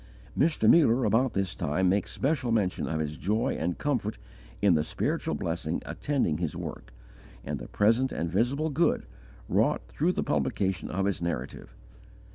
Mr. Muller, about this time, makes special mention of his joy and comfort in the spiritual blessing attending his work, and the present and visible good, wrought through the publication of his Narrative.